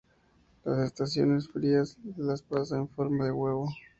Las estaciones frías las pasa en forma de huevo.